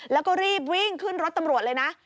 แล้วก็รีบวิ่งขึ้นรถตำรวจเลยนะ